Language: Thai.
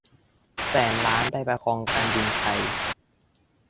แสนล้านไปประคองการบินไทย